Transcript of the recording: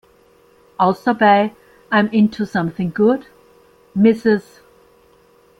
Außer bei "I’m Into Something Good", "Mrs.